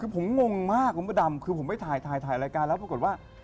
คือผมงงมากคุณพระดำคือผมไปถ่ายถ่ายรายการแล้วปรากฏว่า